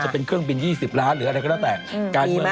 เป็น๒๐ล้านหรืออะไรก็ต้องแต่